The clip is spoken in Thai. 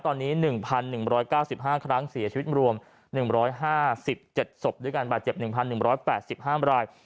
ตอนนี้๑๑๙๕ครั้งเสียชีวิตรวม๑๕๗ศพด้วยการบาดเจ็บ๑๑๘๕ราย